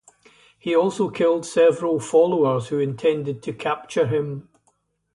He also killed several followers who intended to capture him.